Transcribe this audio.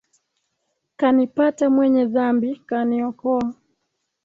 Kanipata mwenye dhambi, kaniokoa.